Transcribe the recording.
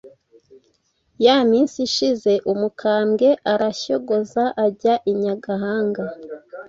Ya minsi ishize, umukambwe arashyogoza ajya i Nyagahanga